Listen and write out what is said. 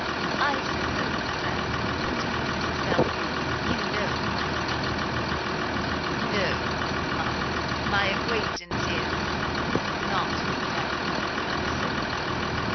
"I suppose, Sir," continued Mrs Belfield, "you know my son?" "No, ma'am, my acquaintance is not very universal."